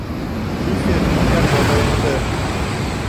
Кисер иҫәр бабайыңды!